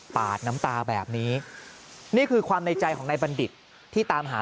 ปาดน้ำตาแบบนี้นี่คือความในใจของนายบัณฑิตที่ตามหา